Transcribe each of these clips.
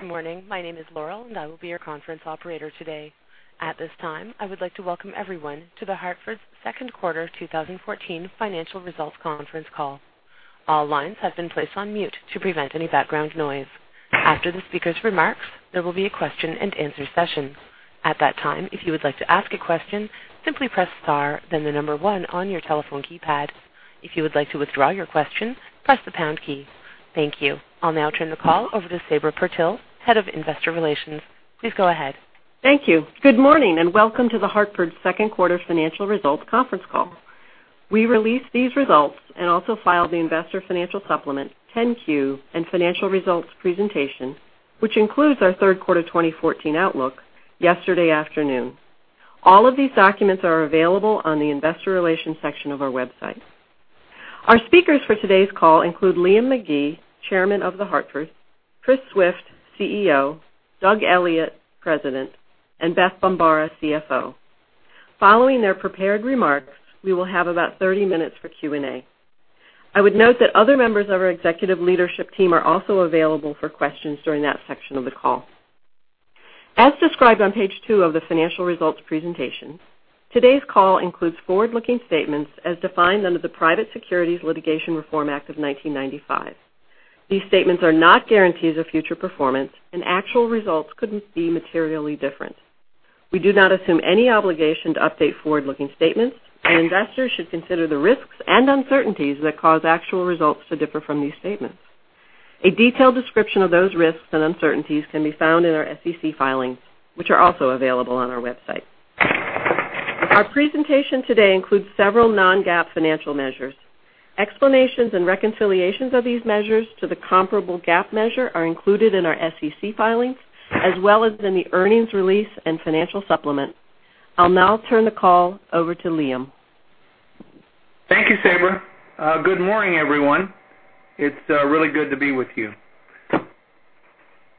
Good morning. My name is Laurel. I will be your conference operator today. At this time, I would like to welcome everyone to The Hartford's second quarter 2014 financial results conference call. All lines have been placed on mute to prevent any background noise. After the speaker's remarks, there will be a question and answer session. At that time, if you would like to ask a question, simply press star then the number one on your telephone keypad. If you would like to withdraw your question, press the pound key. Thank you. I'll now turn the call over to Sabra Purtill, Head of Investor Relations. Please go ahead. Thank you. Good morning. Welcome to The Hartford's second quarter financial results conference call. We released these results and also filed the investor financial supplement 10-Q and financial results presentation, which includes our third quarter 2014 outlook yesterday afternoon. All of these documents are available on the investor relations section of our website. Our speakers for today's call include Liam McGee, Chairman of The Hartford, Chris Swift, CEO, Doug Elliot, President, and Beth Bombara, CFO. Following their prepared remarks, we will have about 30 minutes for Q&A. I would note that other members of our executive leadership team are also available for questions during that section of the call. As described on page two of the financial results presentation, today's call includes forward-looking statements as defined under the Private Securities Litigation Reform Act of 1995. These statements are not guarantees of future performance. Actual results could be materially different. We do not assume any obligation to update forward-looking statements. Investors should consider the risks and uncertainties that cause actual results to differ from these statements. A detailed description of those risks and uncertainties can be found in our SEC filings, which are also available on our website. Our presentation today includes several non-GAAP financial measures. Explanations and reconciliations of these measures to the comparable GAAP measure are included in our SEC filings, as well as in the earnings release and financial supplement. I'll now turn the call over to Liam. Thank you, Sabra. Good morning, everyone. It's really good to be with you.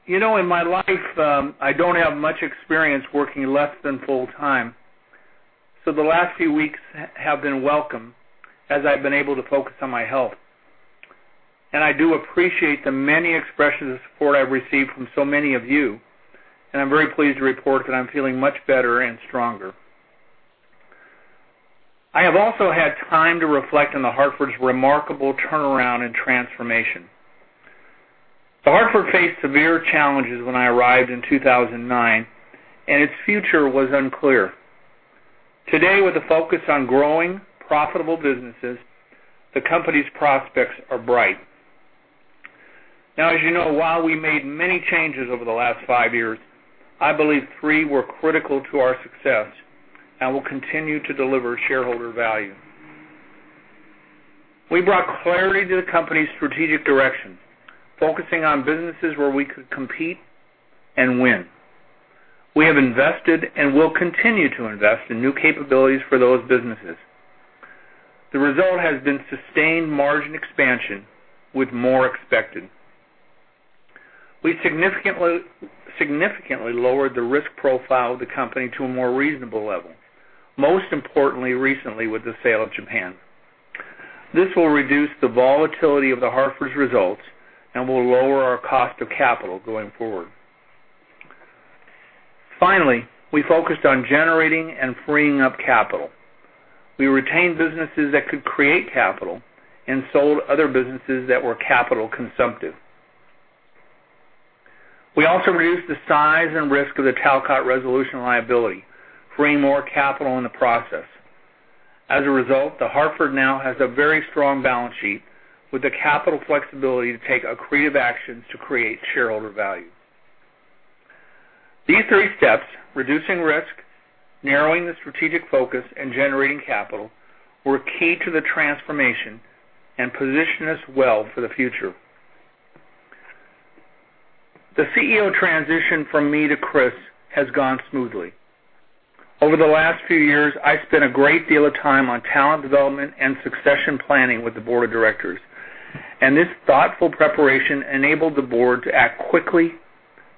In my life, I don't have much experience working less than full time. The last few weeks have been welcome as I've been able to focus on my health. I do appreciate the many expressions of support I've received from so many of you. I'm very pleased to report that I'm feeling much better and stronger. I have also had time to reflect on The Hartford's remarkable turnaround and transformation. The Hartford faced severe challenges when I arrived in 2009. Its future was unclear. Today, with a focus on growing profitable businesses, the company's prospects are bright. As you know, while we made many changes over the last five years, I believe three were critical to our success and will continue to deliver shareholder value. We brought clarity to the company's strategic direction, focusing on businesses where we could compete and win. We have invested and will continue to invest in new capabilities for those businesses. The result has been sustained margin expansion with more expected. We significantly lowered the risk profile of the company to a more reasonable level, most importantly recently with the sale of Japan. This will reduce the volatility of The Hartford's results and will lower our cost of capital going forward. Finally, we focused on generating and freeing up capital. We retained businesses that could create capital and sold other businesses that were capital consumptive. We also reduced the size and risk of the Talcott Resolution liability, freeing more capital in the process. As a result, The Hartford now has a very strong balance sheet with the capital flexibility to take accretive actions to create shareholder value. These three steps, reducing risk, narrowing the strategic focus, and generating capital, were key to the transformation and position us well for the future. The CEO transition from me to Chris has gone smoothly. Over the last few years, I spent a great deal of time on talent development and succession planning with the board of directors. This thoughtful preparation enabled the board to act quickly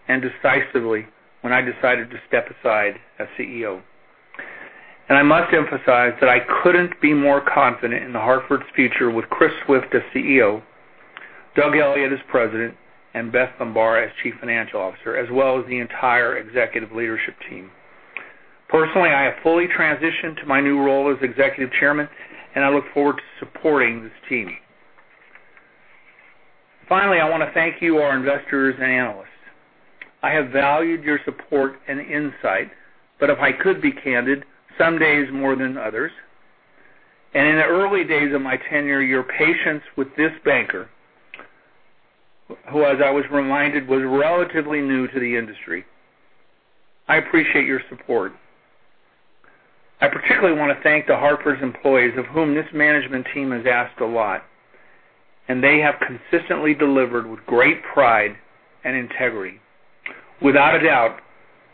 and decisively when I decided to step aside as CEO. I must emphasize that I couldn't be more confident in The Hartford's future with Chris Swift as CEO, Doug Elliot as President, and Beth Bombara as Chief Financial Officer, as well as the entire executive leadership team. Personally, I have fully transitioned to my new role as Executive Chairman, and I look forward to supporting this team. Finally, I want to thank you, our investors and analysts. I have valued your support and insight. If I could be candid, some days more than others, and in the early days of my tenure, your patience with this banker, who as I was reminded, was relatively new to the industry. I appreciate your support. I particularly want to thank The Hartford's employees, of whom this management team has asked a lot. They have consistently delivered with great pride and integrity. Without a doubt,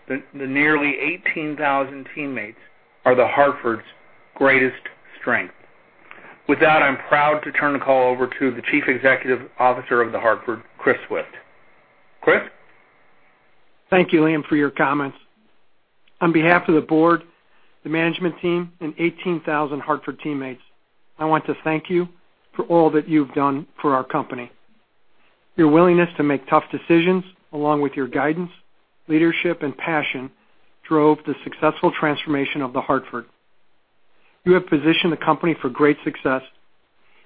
the nearly 18,000 teammates are The Hartford's greatest strength. With that, I'm proud to turn the call over to the Chief Executive Officer of The Hartford, Chris Swift. Chris? Thank you, Liam, for your comments. On behalf of the board, the management team, and 18,000 Hartford teammates, I want to thank you for all that you've done for our company. Your willingness to make tough decisions, along with your guidance, leadership, and passion, drove the successful transformation of The Hartford. You have positioned the company for great success.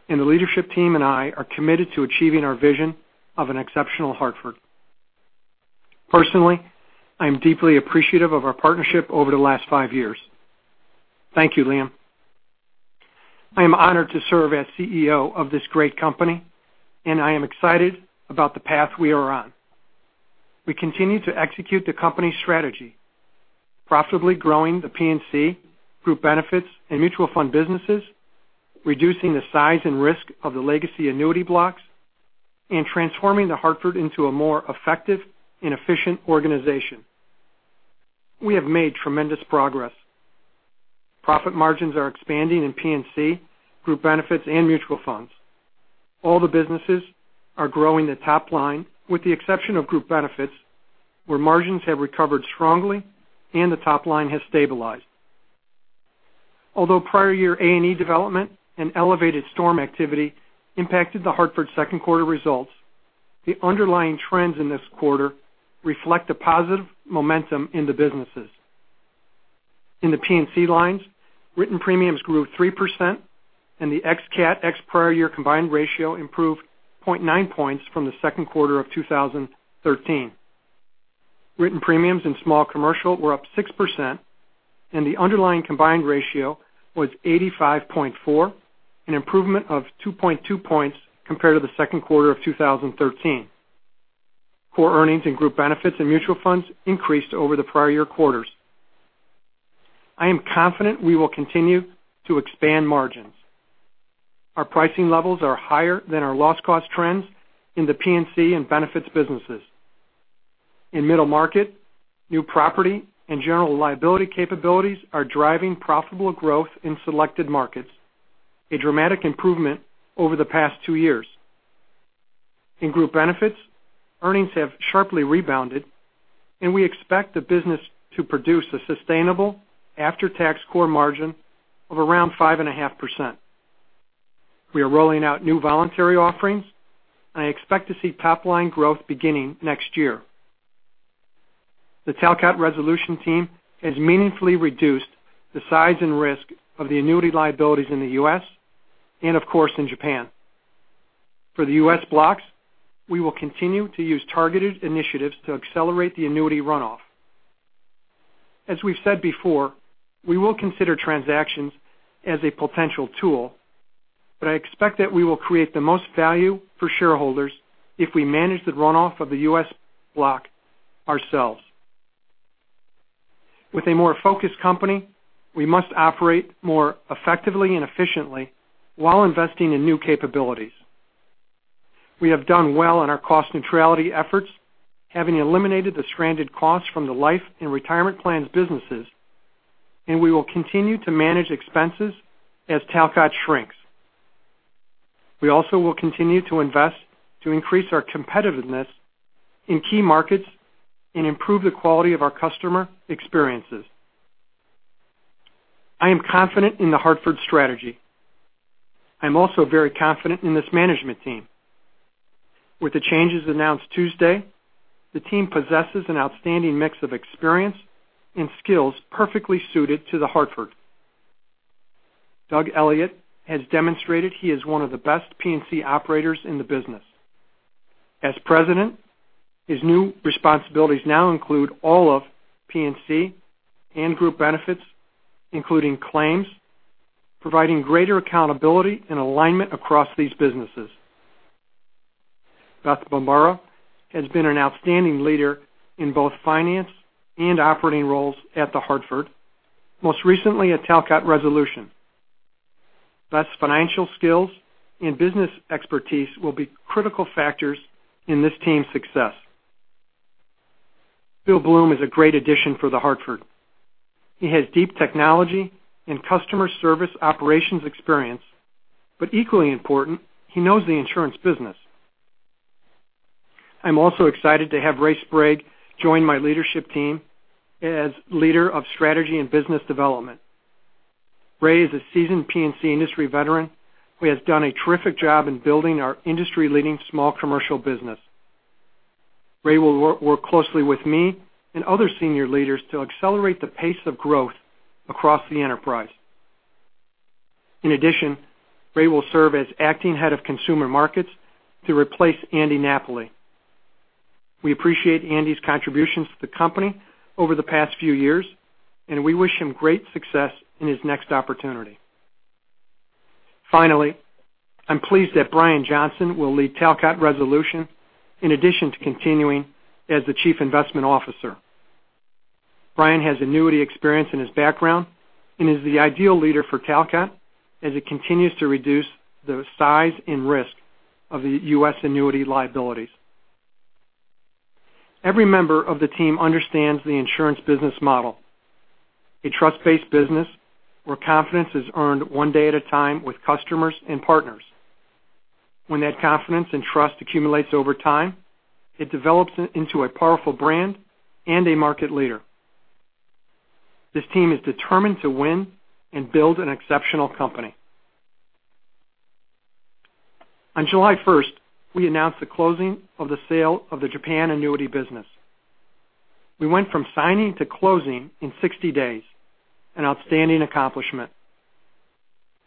The leadership team and I are committed to achieving our vision of an exceptional Hartford. Personally, I am deeply appreciative of our partnership over the last five years. Thank you, Liam. I am honored to serve as CEO of this great company. I am excited about the path we are on. We continue to execute the company's strategy, profitably growing the P&C Group Benefits and mutual fund businesses, reducing the size and risk of the legacy annuity blocks, and transforming The Hartford into a more effective and efficient organization. We have made tremendous progress. Profit margins are expanding in P&C group benefits and mutual funds. All the businesses are growing the top line with the exception of group benefits, where margins have recovered strongly and the top line has stabilized. Although prior year A&E development and elevated storm activity impacted The Hartford's second quarter results, the underlying trends in this quarter reflect a positive momentum in the businesses. In the P&C lines, written premiums grew 3% and the ex-cat, ex-prior year combined ratio improved 0.9 points from the second quarter of 2013. Written premiums in Small Commercial were up 6% and the underlying combined ratio was 85.4, an improvement of 2.2 points compared to the second quarter of 2013. Core earnings and group benefits and mutual funds increased over the prior year quarters. I am confident we will continue to expand margins. Our pricing levels are higher than our loss cost trends in the P&C and benefits businesses. In middle market, new property and general liability capabilities are driving profitable growth in selected markets, a dramatic improvement over the past two years. In group benefits, earnings have sharply rebounded, and we expect the business to produce a sustainable after-tax core margin of around 5.5%. We are rolling out new voluntary offerings, and I expect to see top-line growth beginning next year. The Talcott Resolution team has meaningfully reduced the size and risk of the annuity liabilities in the U.S. and of course, in Japan. For the U.S. blocks, we will continue to use targeted initiatives to accelerate the annuity runoff. As we've said before, we will consider transactions as a potential tool, but I expect that we will create the most value for shareholders if we manage the runoff of the U.S. block ourselves. With a more focused company, we must operate more effectively and efficiently while investing in new capabilities. We have done well on our cost neutrality efforts, having eliminated the stranded costs from the life and retirement plans businesses, and we will continue to manage expenses as Talcott shrinks. We also will continue to invest to increase our competitiveness in key markets and improve the quality of our customer experiences. I am confident in The Hartford strategy. I'm also very confident in this management team. With the changes announced Tuesday, the team possesses an outstanding mix of experience and skills perfectly suited to The Hartford. Doug Elliot has demonstrated he is one of the best P&C operators in the business. As President, his new responsibilities now include all of P&C and group benefits, including claims, providing greater accountability and alignment across these businesses. Beth Bombara has been an outstanding leader in both finance and operating roles at The Hartford, most recently at Talcott Resolution. Beth's financial skills and business expertise will be critical factors in this team's success. Bill Bloom is a great addition for The Hartford. He has deep technology and customer service operations experience, but equally important, he knows the insurance business. I'm also excited to have Ray Sprague join my leadership team as leader of strategy and business development. Ray is a seasoned P&C industry veteran who has done a terrific job in building our industry-leading Small Commercial business. Ray will work closely with me and other senior leaders to accelerate the pace of growth across the enterprise. In addition, Ray will serve as acting head of consumer markets to replace Andy Napoli. We appreciate Andy's contributions to the company over the past few years, and we wish him great success in his next opportunity. Finally, I'm pleased that Brion Johnson will lead Talcott Resolution in addition to continuing as the Chief Investment Officer. Brion has annuity experience in his background and is the ideal leader for Talcott as it continues to reduce the size and risk of the U.S. annuity liabilities. Every member of the team understands the insurance business model. A trust-based business where confidence is earned one day at a time with customers and partners. When that confidence and trust accumulates over time, it develops into a powerful brand and a market leader. This team is determined to win and build an exceptional company. On July 1st, we announced the closing of the sale of the Japan annuity business. We went from signing to closing in 60 days, an outstanding accomplishment.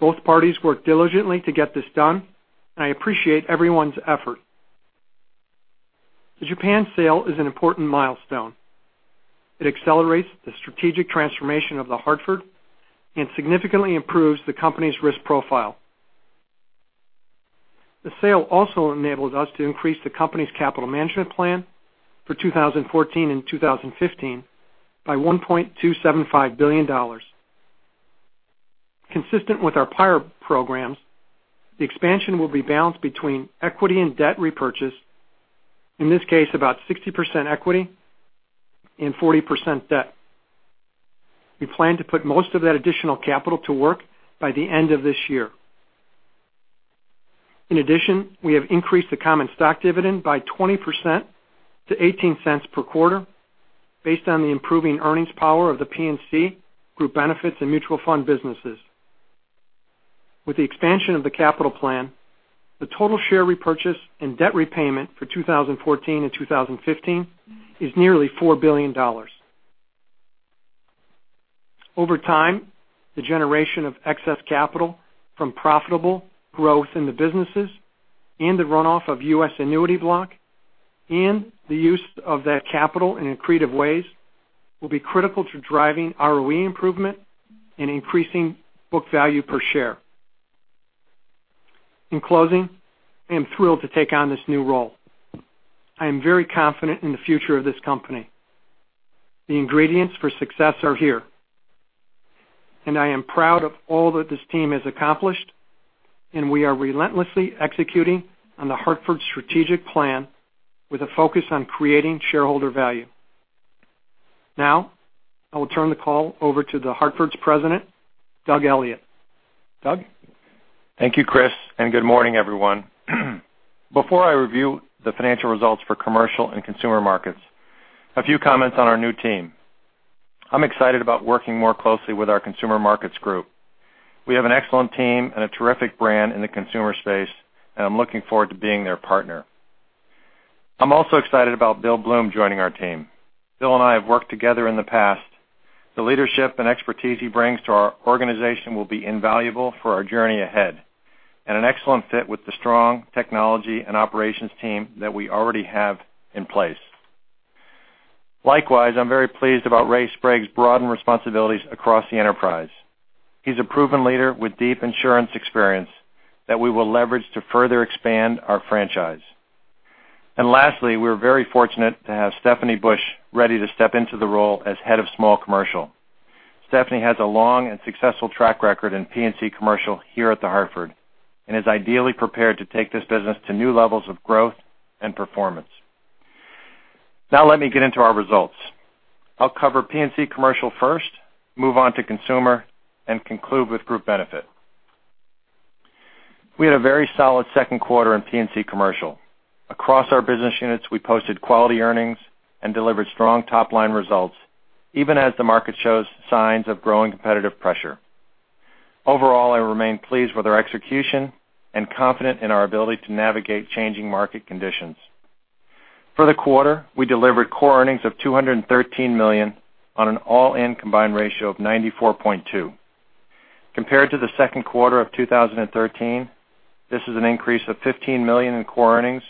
Both parties worked diligently to get this done, and I appreciate everyone's effort. The Japan sale is an important milestone. It accelerates the strategic transformation of The Hartford and significantly improves the company's risk profile. The sale also enables us to increase the company's capital management plan for 2014 and 2015 by $1.275 billion. Consistent with our prior programs, the expansion will be balanced between equity and debt repurchase, in this case about 60% equity and 40% debt. We plan to put most of that additional capital to work by the end of this year. In addition, we have increased the common stock dividend by 20% to $0.18 per quarter based on the improving earnings power of the P&C group benefits and mutual fund businesses. With the expansion of the capital plan, the total share repurchase and debt repayment for 2014 and 2015 is nearly $4 billion. Over time, the generation of excess capital from profitable growth in the businesses and the runoff of U.S. annuity block and the use of that capital in creative ways will be critical to driving ROE improvement and increasing book value per share. In closing, I am thrilled to take on this new role. I am very confident in the future of this company. The ingredients for success are here, and I am proud of all that this team has accomplished, and we are relentlessly executing on The Hartford's strategic plan with a focus on creating shareholder value. Now, I will turn the call over to The Hartford's President, Doug Elliot. Doug? Thank you, Chris, and good morning, everyone. Before I review the financial results for Commercial and Consumer Markets, a few comments on our new team. I am excited about working more closely with our Consumer Markets group. We have an excellent team and a terrific brand in the consumer space, and I am looking forward to being their partner. I am also excited about Bill Bloom joining our team. Bill and I have worked together in the past. The leadership and expertise he brings to our organization will be invaluable for our journey ahead and an excellent fit with the strong technology and operations team that we already have in place. Likewise, I am very pleased about Ray Sprague's broadened responsibilities across the enterprise. He is a proven leader with deep insurance experience that we will leverage to further expand our franchise. Lastly, we are very fortunate to have Stephanie Bush ready to step into the role as Head of Small Commercial. Stephanie has a long and successful track record in P&C Commercial here at The Hartford and is ideally prepared to take this business to new levels of growth and performance. Now let me get into our results. I will cover P&C Commercial first, move on to Consumer Markets and conclude with Group Benefits. We had a very solid second quarter in P&C Commercial. Across our business units, we posted quality earnings and delivered strong top-line results, even as the market shows signs of growing competitive pressure. Overall, I remain pleased with our execution and confident in our ability to navigate changing market conditions. For the quarter, we delivered core earnings of $213 million on an all-in combined ratio of 94.2. Compared to the second quarter of 2013, this is an increase of $15 million in core earnings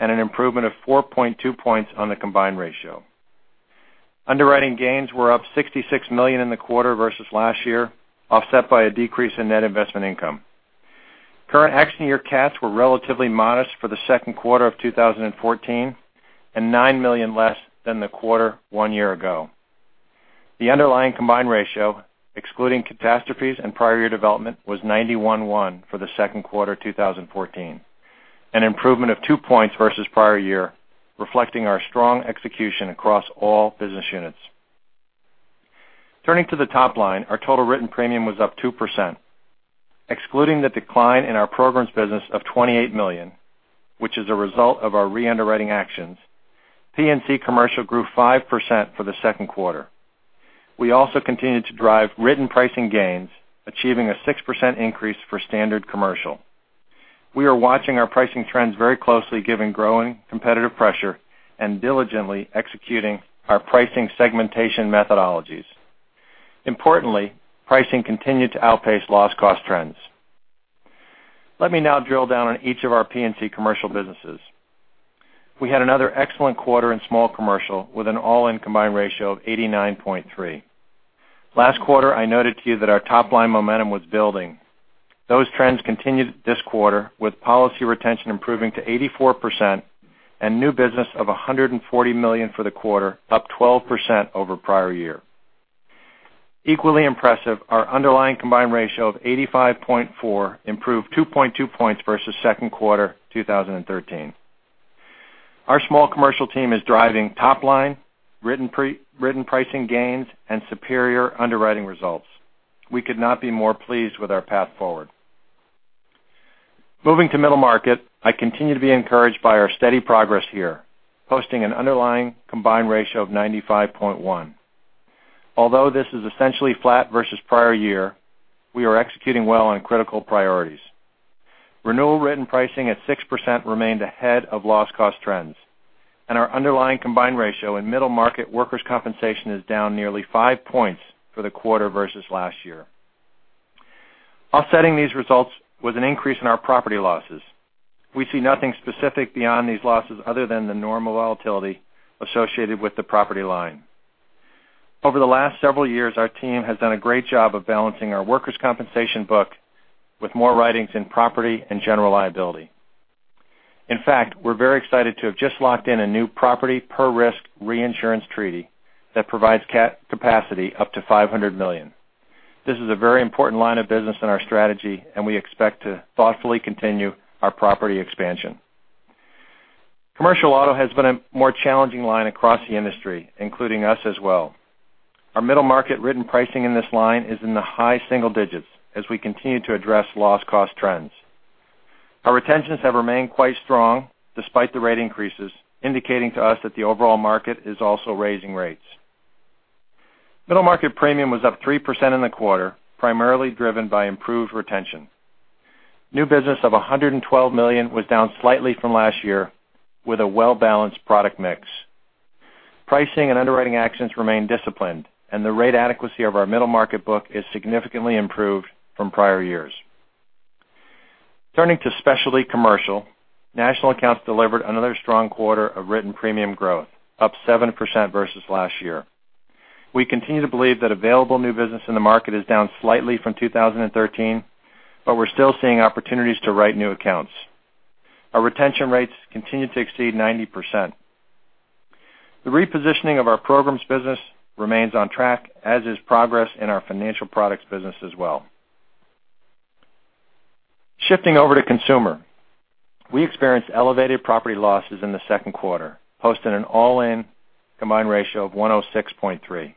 and an improvement of 4.2 points on the combined ratio. Underwriting gains were up $66 million in the quarter versus last year, offset by a decrease in net investment income. Current accident year cats were relatively modest for the second quarter of 2014 and $9 million less than the quarter one year ago. The underlying combined ratio, excluding catastrophes and prior year development, was 91.1 for the second quarter 2014, an improvement of two points versus prior year, reflecting our strong execution across all business units. Turning to the top line, our total written premium was up 2%. Excluding the decline in our programs business of $28 million, which is a result of our re-underwriting actions, P&C Commercial grew 5% for the second quarter. We also continued to drive written pricing gains, achieving a 6% increase for Standard Commercial. We are watching our pricing trends very closely, given growing competitive pressure and diligently executing our pricing segmentation methodologies. Importantly, pricing continued to outpace loss cost trends. Let me now drill down on each of our P&C Commercial businesses. We had another excellent quarter in Small Commercial with an all-in combined ratio of 89.3. Last quarter, I noted to you that our top-line momentum was building. Those trends continued this quarter with policy retention improving to 84% and new business of $140 million for the quarter, up 12% over prior year. Equally impressive, our underlying combined ratio of 85.4 improved 2.2 points versus second quarter 2013. Our Small Commercial team is driving top line, written pricing gains, and superior underwriting results. We could not be more pleased with our path forward. Moving to middle market, I continue to be encouraged by our steady progress here, posting an underlying combined ratio of 95.1. Although this is essentially flat versus prior year, we are executing well on critical priorities. Renewal written pricing at 6% remained ahead of loss cost trends, and our underlying combined ratio in middle market workers' compensation is down nearly 5 points for the quarter versus last year. Offsetting these results was an increase in our property losses. We see nothing specific beyond these losses other than the normal volatility associated with the property line. Over the last several years, our team has done a great job of balancing our workers' compensation book with more writings in property and general liability. We're very excited to have just locked in a new property per risk reinsurance treaty that provides capacity up to $500 million. This is a very important line of business in our strategy. We expect to thoughtfully continue our property expansion. Commercial auto has been a more challenging line across the industry, including us as well. Our middle market written pricing in this line is in the high single digits as we continue to address loss cost trends. Our retentions have remained quite strong despite the rate increases, indicating to us that the overall market is also raising rates. Middle market premium was up 3% in the quarter, primarily driven by improved retention. New business of $112 million was down slightly from last year with a well-balanced product mix. Pricing and underwriting actions remain disciplined, and the rate adequacy of our middle market book is significantly improved from prior years. Turning to specialty commercial, national accounts delivered another strong quarter of written premium growth, up 7% versus last year. We continue to believe that available new business in the market is down slightly from 2013. We're still seeing opportunities to write new accounts. Our retention rates continue to exceed 90%. The repositioning of our programs business remains on track, as is progress in our financial products business as well. Shifting over to consumer, we experienced elevated property losses in the second quarter, posting an all-in combined ratio of 106.3.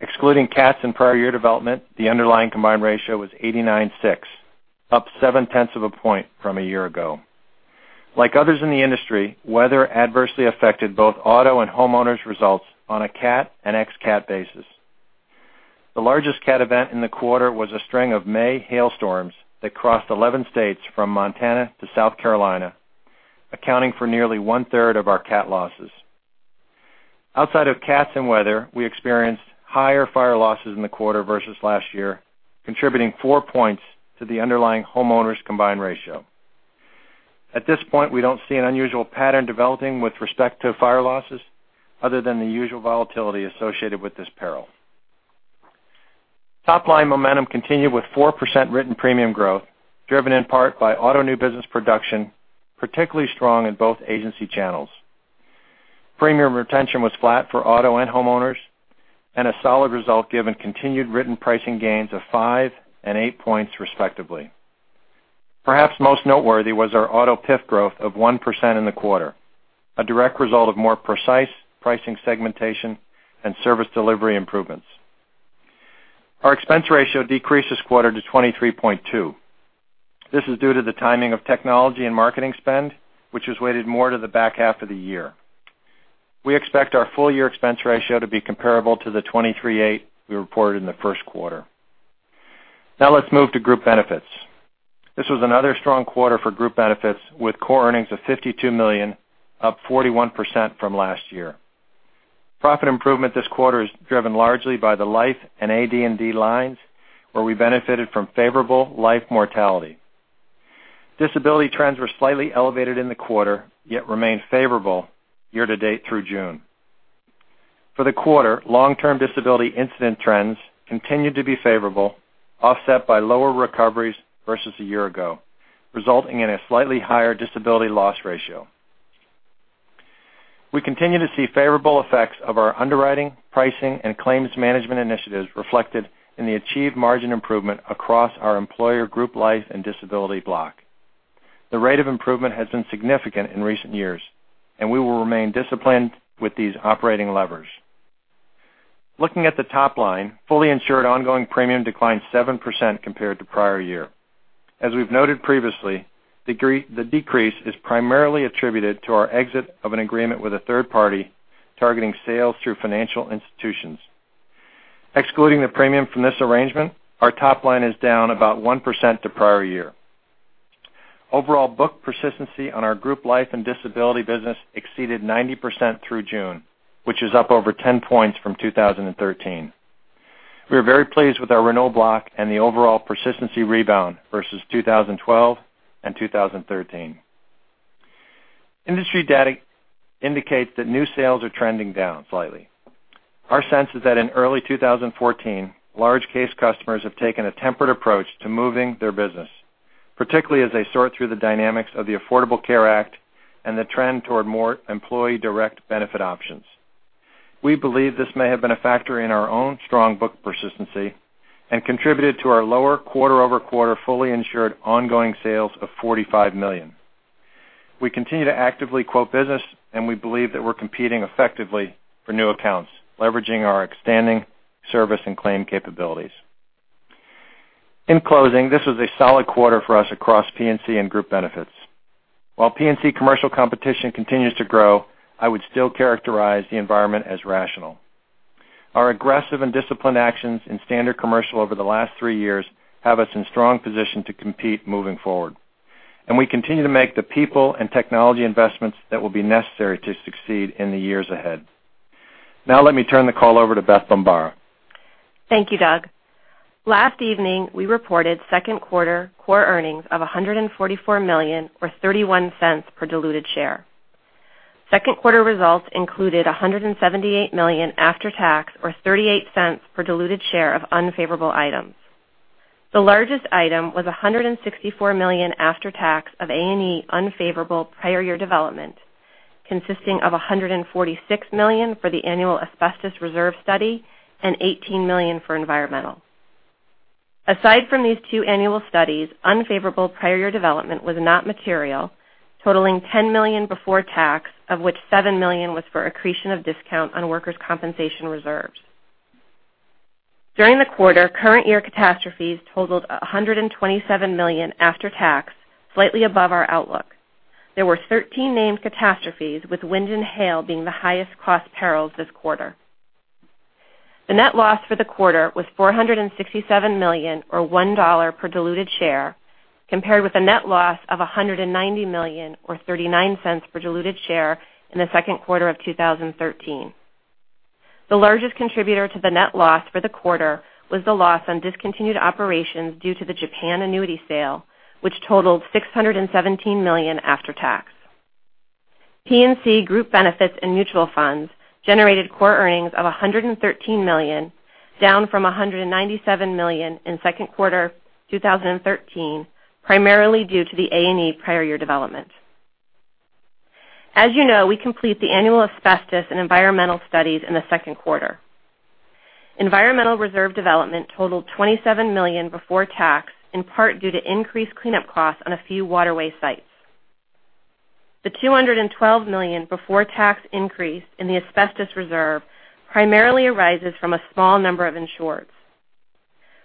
Excluding cats and prior year development, the underlying combined ratio was 89.6, up 0.7 points from a year ago. Like others in the industry, weather adversely affected both auto and homeowners' results on a cat and ex-cat basis. The largest cat event in the quarter was a string of May hailstorms that crossed 11 states from Montana to South Carolina, accounting for nearly one-third of our cat losses. Outside of cats and weather, we experienced higher fire losses in the quarter versus last year, contributing 4 points to the underlying homeowners' combined ratio. At this point, we don't see an unusual pattern developing with respect to fire losses other than the usual volatility associated with this peril. Top-line momentum continued with 4% written premium growth, driven in part by auto new business production, particularly strong in both agency channels. Premium retention was flat for auto and homeowners and a solid result given continued written pricing gains of 5 and 8 points, respectively. Perhaps most noteworthy was our auto PIF growth of 1% in the quarter, a direct result of more precise pricing segmentation and service delivery improvements. Our expense ratio decreased this quarter to 23.2. This is due to the timing of technology and marketing spend, which is weighted more to the back half of the year. We expect our full-year expense ratio to be comparable to the 23.8 we reported in the first quarter. Now let's move to group benefits. This was another strong quarter for group benefits, with core earnings of $52 million, up 41% from last year. Profit improvement this quarter is driven largely by the life and AD&D lines, where we benefited from favorable life mortality. Disability trends were slightly elevated in the quarter, yet remained favorable year to date through June. For the quarter, long-term disability incident trends continued to be favorable, offset by lower recoveries versus a year ago, resulting in a slightly higher disability loss ratio. We continue to see favorable effects of our underwriting, pricing, and claims management initiatives reflected in the achieved margin improvement across our employer group life and disability block. The rate of improvement has been significant in recent years. We will remain disciplined with these operating levers. Looking at the top line, fully insured ongoing premium declined 7% compared to prior year. As we've noted previously, the decrease is primarily attributed to our exit of an agreement with a third party targeting sales through financial institutions. Excluding the premium from this arrangement, our top line is down about 1% to prior year. Overall book persistency on our group life and disability business exceeded 90% through June, which is up over 10 points from 2013. We are very pleased with our renewal block and the overall persistency rebound versus 2012 and 2013. Industry data indicates that new sales are trending down slightly. Our sense is that in early 2014, large case customers have taken a temperate approach to moving their business, particularly as they sort through the dynamics of the Affordable Care Act and the trend toward more employee direct benefit options. We believe this may have been a factor in our own strong book persistency and contributed to our lower quarter-over-quarter fully insured ongoing sales of $145 million. We continue to actively quote business. We believe that we're competing effectively for new accounts, leveraging our expanding service and claim capabilities. In closing, this was a solid quarter for us across P&C and group benefits. While P&C commercial competition continues to grow, I would still characterize the environment as rational. Our aggressive and disciplined actions in standard commercial over the last three years have us in strong position to compete moving forward. We continue to make the people and technology investments that will be necessary to succeed in the years ahead. Now let me turn the call over to Beth Bombara. Thank you, Doug. Last evening, we reported second quarter core earnings of $144 million, or $0.31 per diluted share. Second quarter results included $178 million after tax, or $0.38 per diluted share of unfavorable items. The largest item was $164 million after tax of A&E unfavorable prior year development, consisting of $146 million for the annual asbestos reserve study and $18 million for environmental. Aside from these two annual studies, unfavorable prior year development was not material, totaling $10 million before tax, of which $7 million was for accretion of discount on workers' compensation reserves. During the quarter, current year catastrophes totaled $127 million after tax, slightly above our outlook. There were 13 named catastrophes, with wind and hail being the highest cost perils this quarter. The net loss for the quarter was $467 million, or $1 per diluted share, compared with a net loss of $190 million or $0.39 per diluted share in the second quarter of 2013. The largest contributor to the net loss for the quarter was the loss on discontinued operations due to the Japan annuity sale, which totaled $617 million after tax. P&C Group Benefits and Mutual Funds generated core earnings of $113 million, down from $197 million in second quarter 2013, primarily due to the A&E prior year development. As you know, we complete the annual asbestos and environmental studies in the second quarter. Environmental reserve development totaled $27 million before tax, in part due to increased cleanup costs on a few waterway sites. The $212 million before tax increase in the asbestos reserve primarily arises from a small number of insureds.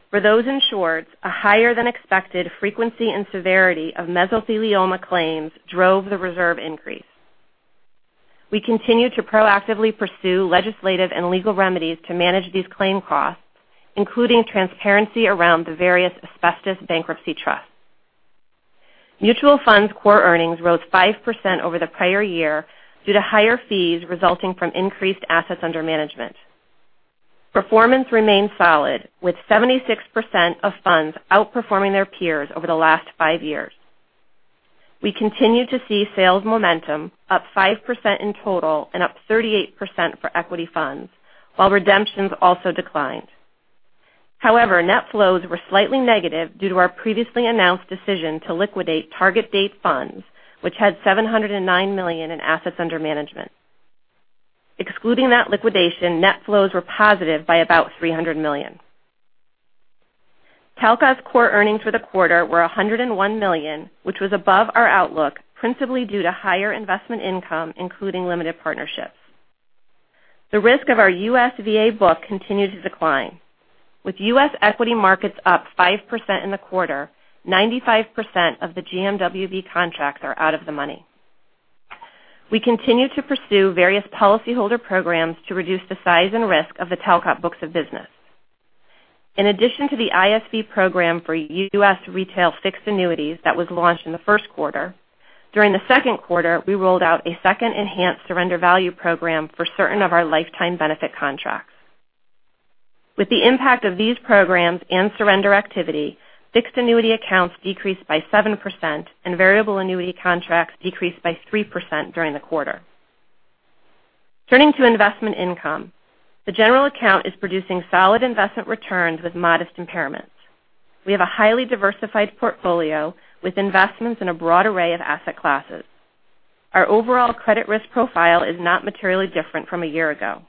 For those insureds, a higher than expected frequency and severity of mesothelioma claims drove the reserve increase. We continue to proactively pursue legislative and legal remedies to manage these claim costs, including transparency around the various asbestos bankruptcy trusts. Mutual funds core earnings rose 5% over the prior year due to higher fees resulting from increased assets under management. Performance remained solid with 76% of funds outperforming their peers over the last five years. We continue to see sales momentum up 5% in total and up 38% for equity funds, while redemptions also declined. However, net flows were slightly negative due to our previously announced decision to liquidate target date funds, which had $709 million in assets under management. Excluding that liquidation, net flows were positive by about $300 million. Talcott's core earnings for the quarter were $101 million, which was above our outlook, principally due to higher investment income, including limited partnerships. The risk of our U.S. VA book continued to decline. With U.S. equity markets up 5% in the quarter, 95% of the GMWB contracts are out of the money. We continue to pursue various policyholder programs to reduce the size and risk of the Talcott books of business. In addition to the ISV program for U.S. retail fixed annuities that was launched in the first quarter, during the second quarter, we rolled out a second enhanced surrender value program for certain of our lifetime benefit contracts. With the impact of these programs and surrender activity, fixed annuity accounts decreased by 7%, and variable annuity contracts decreased by 3% during the quarter. Turning to investment income, the general account is producing solid investment returns with modest impairments. We have a highly diversified portfolio with investments in a broad array of asset classes. Our overall credit risk profile is not materially different from a year ago.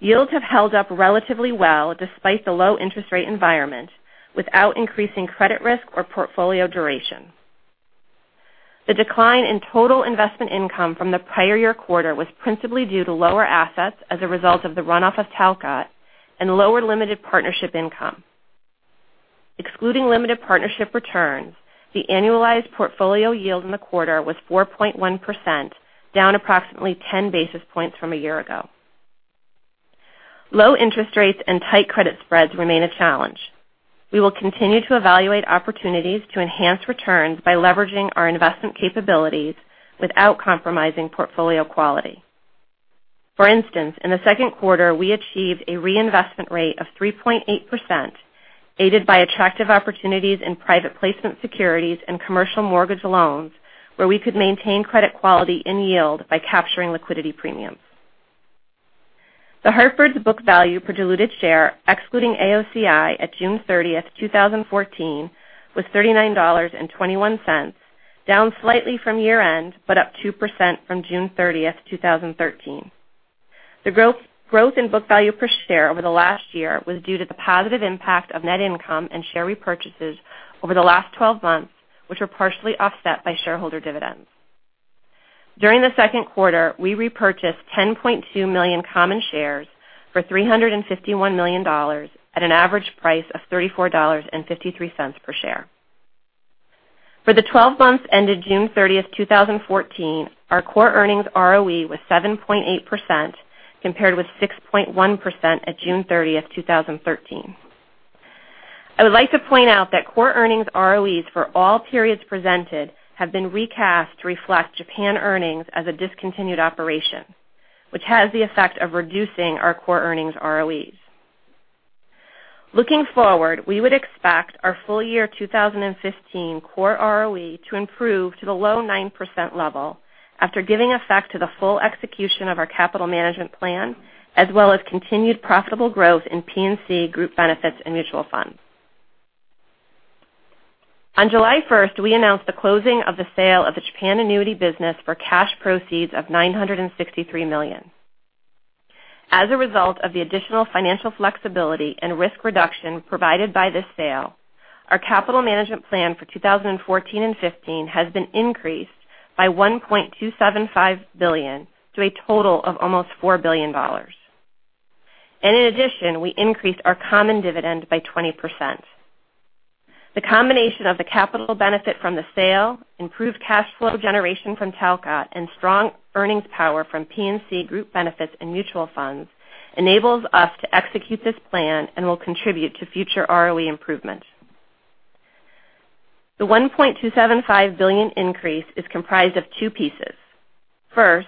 Yields have held up relatively well despite the low interest rate environment, without increasing credit risk or portfolio duration. The decline in total investment income from the prior year quarter was principally due to lower assets as a result of the runoff of Talcott and lower limited partnership income. Excluding limited partnership returns, the annualized portfolio yield in the quarter was 4.1%, down approximately ten basis points from a year ago. Low interest rates and tight credit spreads remain a challenge. We will continue to evaluate opportunities to enhance returns by leveraging our investment capabilities without compromising portfolio quality. For instance, in the second quarter, we achieved a reinvestment rate of 3.8%, aided by attractive opportunities in private placement securities and commercial mortgage loans, where we could maintain credit quality and yield by capturing liquidity premiums. The Hartford's book value per diluted share, excluding AOCI at June 30th, 2014, was $39.21, down slightly from year-end, but up 2% from June 30th, 2013. The growth in book value per share over the last year was due to the positive impact of net income and share repurchases over the last 12 months, which were partially offset by shareholder dividends. During the second quarter, we repurchased 10.2 million common shares for $351 million at an average price of $34.53 per share. For the 12 months ended June 30th, 2014, our core earnings ROE was 7.8%, compared with 6.1% at June 30th, 2013. I would like to point out that core earnings ROEs for all periods presented have been recast to reflect Japan earnings as a discontinued operation, which has the effect of reducing our core earnings ROEs. Looking forward, we would expect our full year 2015 core ROE to improve to the low 9% level after giving effect to the full execution of our capital management plan, as well as continued profitable growth in P&C group benefits and mutual funds. On July 1st, we announced the closing of the sale of the Japan annuity business for cash proceeds of $963 million. As a result of the additional financial flexibility and risk reduction provided by this sale, our capital management plan for 2014 and 2015 has been increased by $1.275 billion to a total of almost $4 billion. In addition, we increased our common dividend by 20%. The combination of the capital benefit from the sale, improved cash flow generation from Talcott, and strong earnings power from P&C group benefits and mutual funds enables us to execute this plan and will contribute to future ROE improvements. The $1.275 billion increase is comprised of two pieces. First,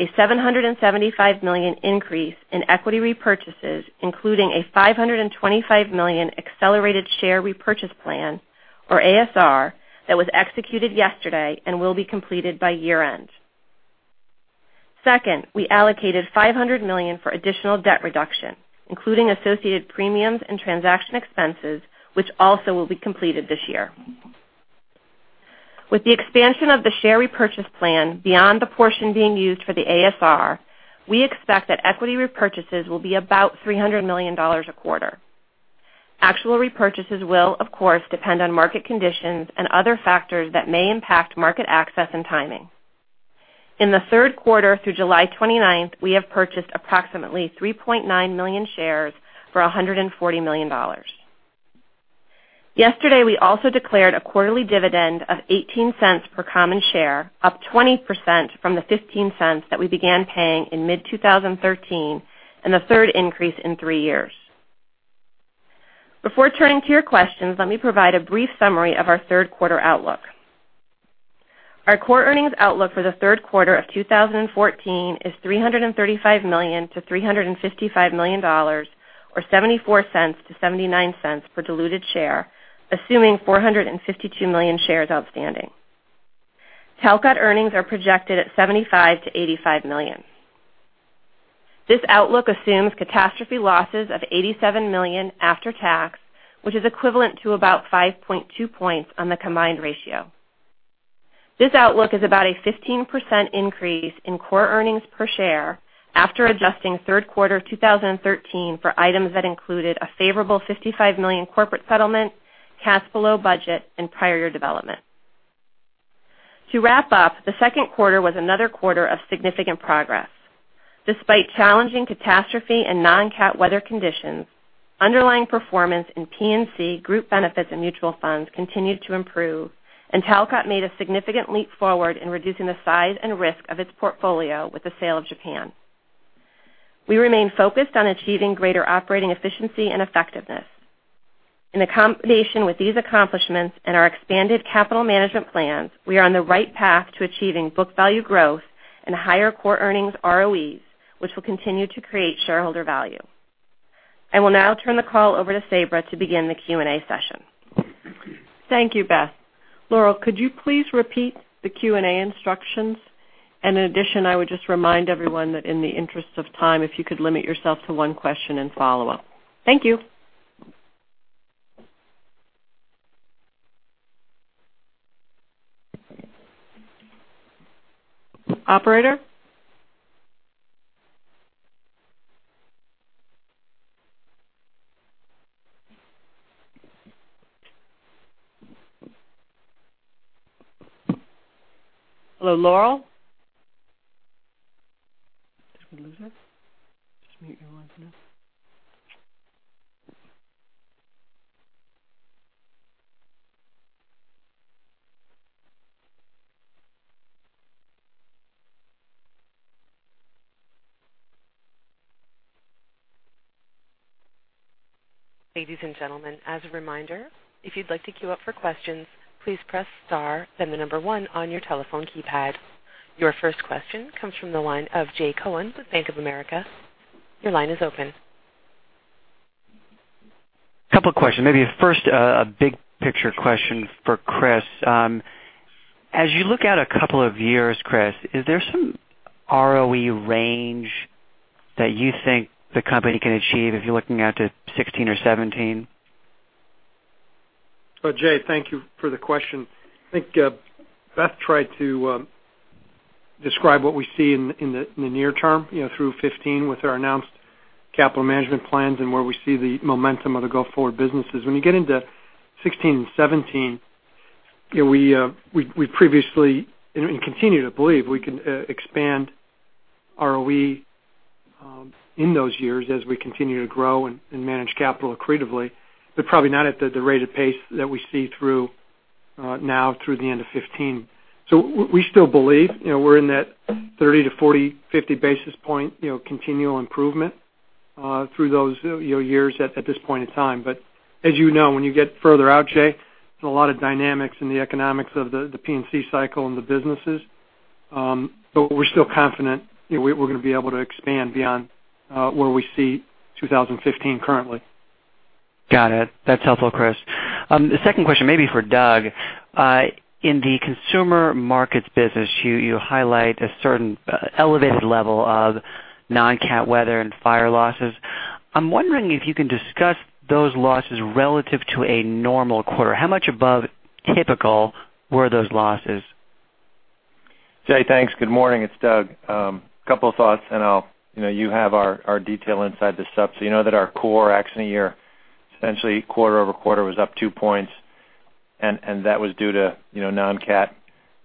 a $775 million increase in equity repurchases, including a $525 million accelerated share repurchase plan, or ASR, that was executed yesterday and will be completed by year-end. Second, we allocated $500 million for additional debt reduction, including associated premiums and transaction expenses, which also will be completed this year. With the expansion of the share repurchase plan beyond the portion being used for the ASR, we expect that equity repurchases will be about $300 million a quarter. Actual repurchases will, of course, depend on market conditions and other factors that may impact market access and timing. In the third quarter through July 29th, we have purchased approximately 3.9 million shares for $140 million. Yesterday, we also declared a quarterly dividend of $0.18 per common share, up 20% from the $0.15 that we began paying in mid-2013, and the third increase in three years. Before turning to your questions, let me provide a brief summary of our third quarter outlook. Our core earnings outlook for the third quarter of 2014 is $335 million-$355 million, or $0.74-$0.79 per diluted share, assuming 452 million shares outstanding. Talcott earnings are projected at $75 million-$85 million. This outlook assumes catastrophe losses of $87 million after tax, which is equivalent to about 5.2 points on the combined ratio. This outlook is about a 15% increase in core earnings per share after adjusting third quarter 2013 for items that included a favorable $55 million corporate settlement, cash below budget, and prior year development. To wrap up, the second quarter was another quarter of significant progress. Despite challenging catastrophe and non-cat weather conditions, underlying performance in P&C group benefits and mutual funds continued to improve, and Talcott made a significant leap forward in reducing the size and risk of its portfolio with the sale of Japan. We remain focused on achieving greater operating efficiency and effectiveness. In combination with these accomplishments and our expanded capital management plans, we are on the right path to achieving book value growth and higher core earnings ROEs, which will continue to create shareholder value. I will now turn the call over to Sabra to begin the Q&A session. Thank you, Beth. Laurel, could you please repeat the Q&A instructions? In addition, I would just remind everyone that in the interest of time, if you could limit yourself to one question and follow-up. Thank you. Operator? Hello, Laurel? Did we lose her? Just mute everyone for a minute. Ladies and gentlemen, as a reminder, if you'd like to queue up for questions, please press star, then the number one on your telephone keypad. Your first question comes from the line of Jay Cohen with Bank of America. Your line is open. Couple of questions. Maybe first, a big picture question for Chris. As you look out a couple of years, Chris, is there some ROE range that you think the company can achieve if you're looking out to 2016 or 2017? Jay, thank you for the question. I think Beth tried to describe what we see in the near term through 2015 with our announced capital management plans and where we see the momentum of the go-forward businesses. When you get into 2016 and 2017, we previously and continue to believe we can expand ROE in those years as we continue to grow and manage capital accretively, but probably not at the rate of pace that we see through now through the end of 2015. We still believe we're in that 30 to 40, 50 basis point continual improvement through those years at this point in time. As you know, when you get further out, Jay, there's a lot of dynamics in the economics of the P&C cycle and the businesses. We're still confident we're going to be able to expand beyond where we see 2015 currently. Got it. That's helpful, Chris. The second question, maybe for Doug. In the consumer markets business, you highlight a certain elevated level of non-cat weather and fire losses. I'm wondering if you can discuss those losses relative to a normal quarter. How much above typical were those losses? Jay, thanks. Good morning. It's Doug. Couple of thoughts and you have our detail inside the subs. You know that our core accident year, essentially quarter-over-quarter, was up two points, and that was due to non-cat,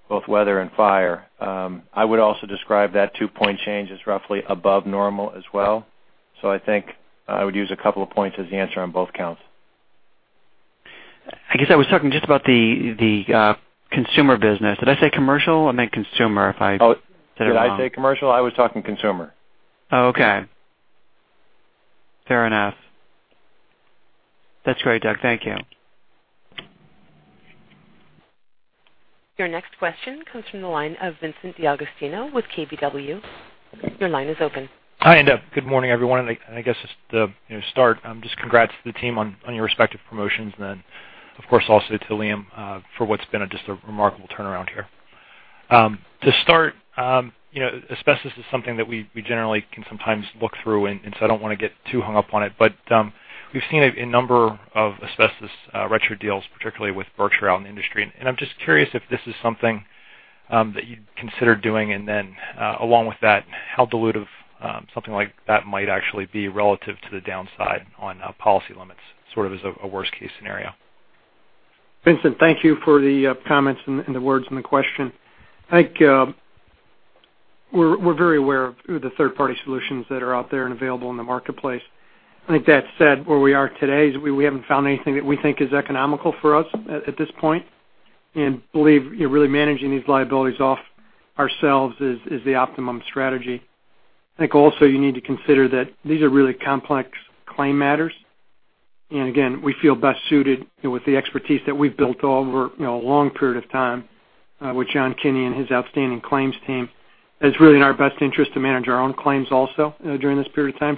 both weather and fire. I would also describe that two-point change as roughly above normal as well. I think I would use a couple of points as the answer on both counts. I guess I was talking just about the consumer business. Did I say commercial? I meant consumer if I said it wrong. Oh, did I say commercial? I was talking consumer. Oh, okay. Fair enough. That's great, Doug. Thank you. Your next question comes from the line of Vincent D'Agostino with KBW. Your line is open. Hi, good morning, everyone. I guess just to start, just congrats to the team on your respective promotions, of course, also to Liam for what's been just a remarkable turnaround here. To start, asbestos is something that we generally can sometimes look through, I don't want to get too hung up on it, We've seen a number of asbestos retro deals, particularly with Berkshire out in the industry, I'm just curious if this is something that you'd consider doing along with that, how dilutive something like that might actually be relative to the downside on policy limits as a worst-case scenario. Vincent, thank you for the comments and the words and the question. I think we're very aware of the third-party solutions that are out there and available in the marketplace. I think that said, where we are today is we haven't found anything that we think is economical for us at this point and believe really managing these liabilities off ourselves is the optimum strategy. I think also you need to consider that these are really complex claim matters. Again, we feel best suited with the expertise that we've built over a long period of time with John Kinney and his outstanding claims team. It's really in our best interest to manage our own claims also during this period of time.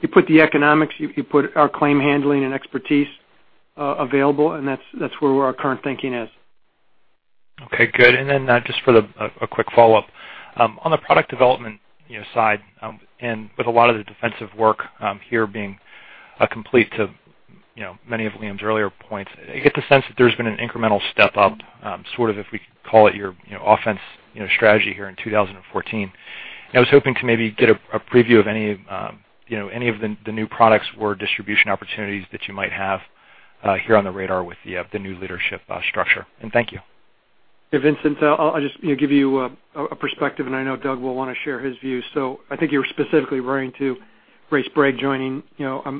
You put the economics, you put our claim handling and expertise available, and that's where our current thinking is. Okay, good. Just for a quick follow-up. On the product development side and with a lot of the defensive work here being complete to many of Liam's earlier points, I get the sense that there's been an incremental step up, sort of if we could call it your offense strategy here in 2014. I was hoping to maybe get a preview of any of the new products or distribution opportunities that you might have here on the radar with the new leadership structure. Thank you. Vincent, I'll just give you a perspective, and I know Doug will want to share his views. I think you were specifically referring to Ray Sprague joining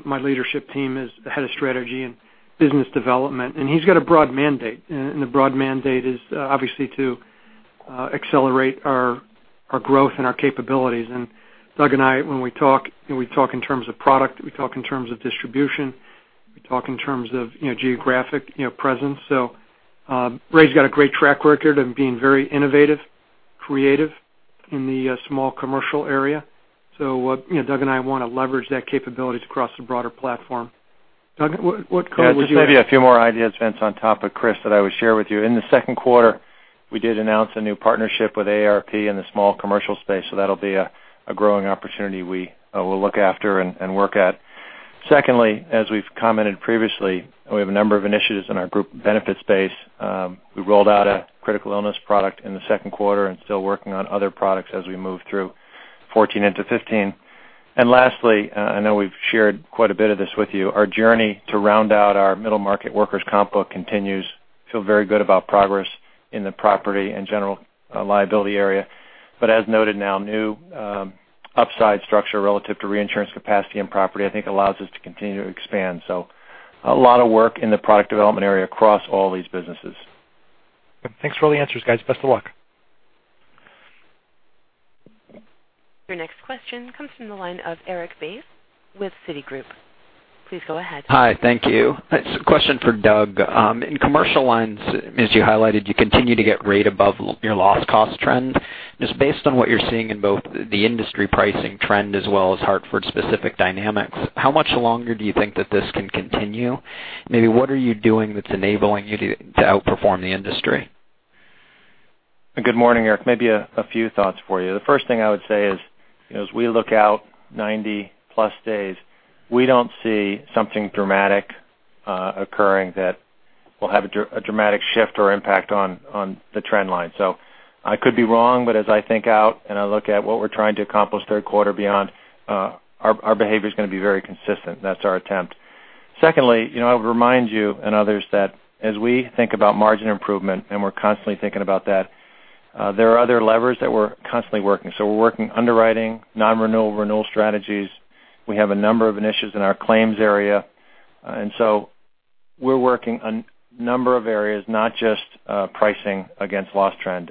my leadership team as the head of strategy and business development, and he's got a broad mandate. The broad mandate is obviously to accelerate our growth and our capabilities. Doug and I, when we talk, we talk in terms of product, we talk in terms of distribution, we talk in terms of geographic presence. Ray's got a great track record of being very innovative, creative in the small commercial area. Doug and I want to leverage that capability across the broader platform. Doug, what would you add? Just maybe a few more ideas, Vincent, on top of Chris that I would share with you. In the second quarter, we did announce a new partnership with AARP in the small commercial space, that'll be a growing opportunity we will look after and work at. Secondly, as we've commented previously, we have a number of initiatives in our group benefits base. We rolled out a critical illness product in the second quarter and still working on other products as we move through 2014 into 2015. Lastly, I know we've shared quite a bit of this with you, our journey to round out our middle market workers' comp book continues. Feel very good about progress in the property and general liability area. As noted now, new upside structure relative to reinsurance capacity and property, I think allows us to continue to expand. A lot of work in the product development area across all these businesses. Thanks for all the answers, guys. Best of luck. Your next question comes from the line of Erik Bass with Citigroup. Please go ahead. Hi. Thank you. It's a question for Doug. In commercial lines, as you highlighted, you continue to get rate above your loss cost trend. Just based on what you're seeing in both the industry pricing trend as well as The Hartford specific dynamics, how much longer do you think that this can continue? Maybe what are you doing that's enabling you to outperform the industry? Good morning, Erik. Maybe a few thoughts for you. The first thing I would say is, as we look out 90+ days, we don't see something dramatic occurring that will have a dramatic shift or impact on the trend line. I could be wrong, but as I think out and I look at what we're trying to accomplish third quarter beyond, our behavior's going to be very consistent. That's our attempt. Secondly, I would remind you and others that as we think about margin improvement, and we're constantly thinking about that, there are other levers that we're constantly working. We're working underwriting, non-renewal, renewal strategies. We have a number of initiatives in our claims area. We're working on number of areas, not just pricing against loss trend.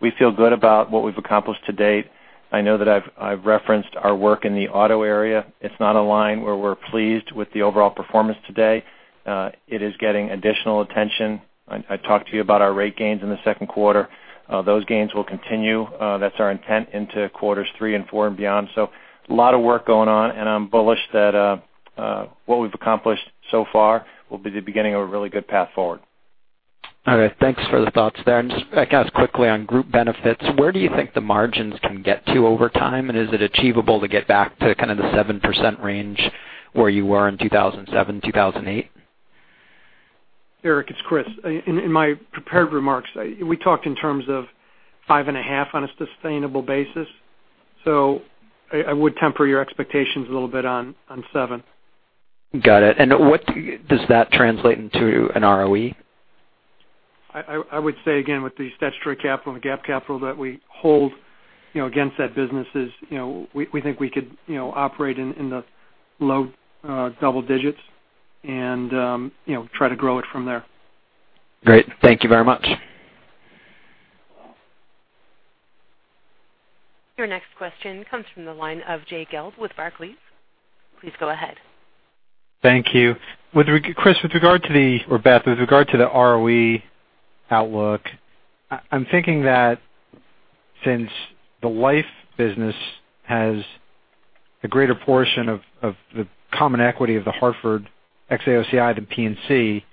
We feel good about what we've accomplished to date. I know that I've referenced our work in the auto area. It's not a line where we're pleased with the overall performance today. It is getting additional attention. I talked to you about our rate gains in the second quarter. Those gains will continue. That's our intent into quarters 3 and 4 and beyond. A lot of work going on, and I'm bullish that what we've accomplished so far will be the beginning of a really good path forward. All right. Thanks for the thoughts there. Just if I can ask quickly on group benefits, where do you think the margins can get to over time? Is it achievable to get back to kind of the 7% range where you were in 2007, 2008? Erik, it's Chris. In my prepared remarks, we talked in terms of five and a half on a sustainable basis. I would temper your expectations a little bit on seven. Got it. What does that translate into an ROE? I would say again with the statutory capital and the GAAP capital that we hold against that business is we think we could operate in the low double digits and try to grow it from there. Great. Thank you very much. Your next question comes from the line of Jay Gelb with Barclays. Please go ahead. Thank you. Chris, with regard to the, or Beth, with regard to the ROE outlook, I'm thinking that since the life business has a greater portion of the common equity of The Hartford ex AOCI than P&C,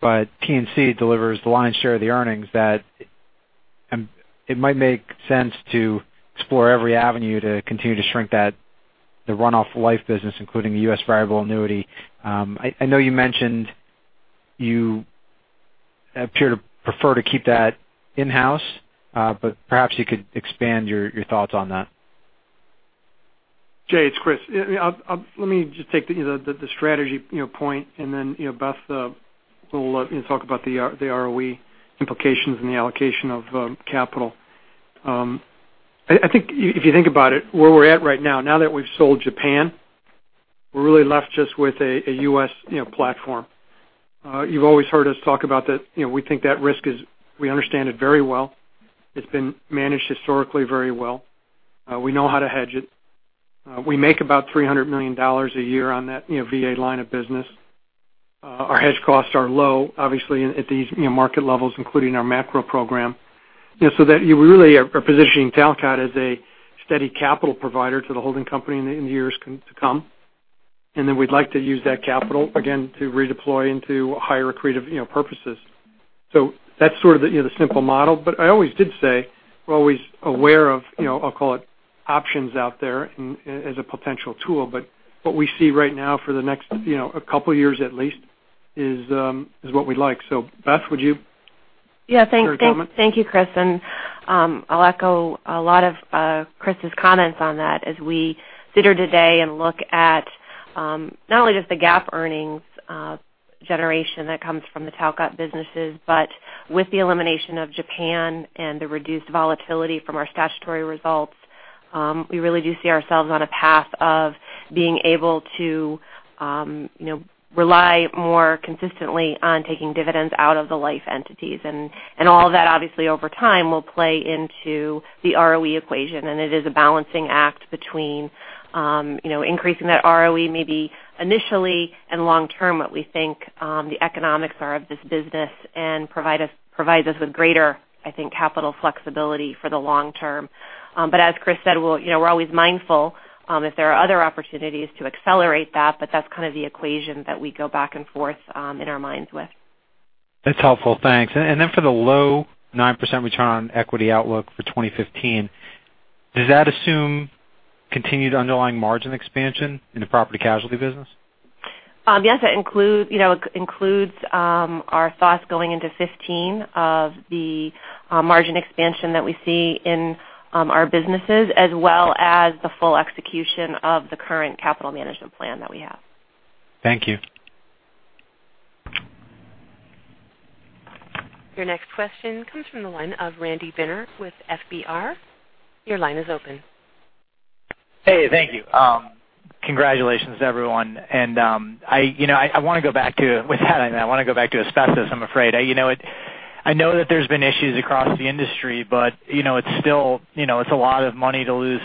but P&C delivers the lion's share of the earnings that it might make sense to explore every avenue to continue to shrink the runoff life business, including the U.S. variable annuity. I know you mentioned you appear to prefer to keep that in-house. Perhaps you could expand your thoughts on that. Jay, it's Chris. Let me just take the strategy point and then Beth will talk about the ROE implications and the allocation of capital. I think if you think about it, where we're at right now that we've sold Japan, we're really left just with a U.S. platform. You've always heard us talk about that we think that risk is, we understand it very well. It's been managed historically very well. We know how to hedge it. We make about $300 million a year on that VA line of business. Our hedge costs are low, obviously at these market levels, including our macro program. That you really are positioning Talcott as a steady capital provider to the holding company in the years to come. We'd like to use that capital again to redeploy into higher accretive purposes. That's sort of the simple model. I always did say we're always aware of, I'll call it options out there as a potential tool. What we see right now for the next a couple of years at least is what we'd like. Beth, would you care to comment? Yeah. Thank you, Chris. I'll echo a lot of Chris's comments on that as we sit here today and look at, not only just the GAAP earnings generation that comes from the Talcott businesses, but with the elimination of Japan and the reduced volatility from our statutory results, we really do see ourselves on a path of being able to rely more consistently on taking dividends out of the life entities. All of that obviously over time will play into the ROE equation. It is a balancing act between increasing that ROE maybe initially and long term what we think the economics are of this business and provide us with greater, I think, capital flexibility for the long term. As Chris said, we're always mindful if there are other opportunities to accelerate that, but that's kind of the equation that we go back and forth in our minds with. That's helpful. Thanks. For the low 9% return on equity outlook for 2015, does that assume continued underlying margin expansion in the property casualty business? Yes, that includes our thoughts going into 2015 of the margin expansion that we see in our businesses as well as the full execution of the current capital management plan that we have. Thank you. Your next question comes from the line of Randy Binner with FBR. Your line is open. Hey, thank you. Congratulations, everyone. With that I want to go back to asbestos, I'm afraid. I know that there's been issues across the industry, but it's a lot of money to lose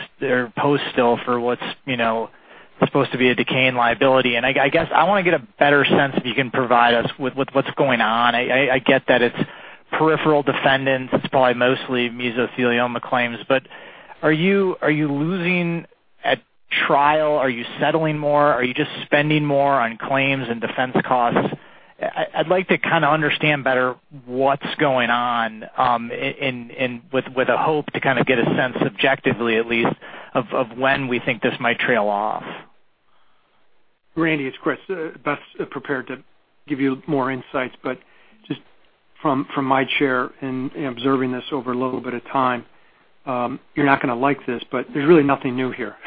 post still for what's supposed to be a decaying liability. I guess I want to get a better sense if you can provide us with what's going on. I get that it's peripheral defendants. It's probably mostly mesothelioma claims. Are you losing at trial? Are you settling more? Are you just spending more on claims and defense costs? I'd like to kind of understand better what's going on, with a hope to kind of get a sense, objectively at least, of when we think this might trail off. Randy, it's Chris. Beth's prepared to give you more insights. Just from my chair in observing this over a little bit of time, you're not going to like this, there's really nothing new here.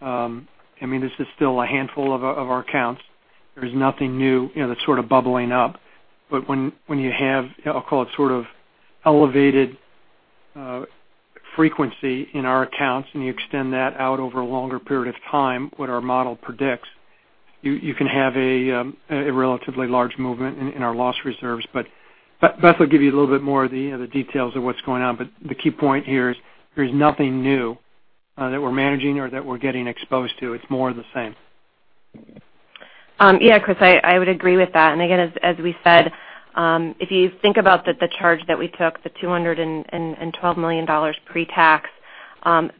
This is still a handful of our accounts. There's nothing new that's sort of bubbling up. When you have, I'll call it sort of elevated frequency in our accounts, and you extend that out over a longer period of time, what our model predicts, you can have a relatively large movement in our loss reserves. Beth will give you a little bit more of the details of what's going on. The key point here is there's nothing new that we're managing or that we're getting exposed to. It's more of the same. Chris, I would agree with that. Again, as we said, if you think about the charge that we took, the $212 million pre-tax,